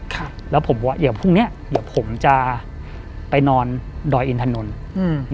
ครับแล้วผมบอกว่าเดี๋ยวพรุ่งเนี้ยเดี๋ยวผมจะไปนอนดอยอินถนนอืม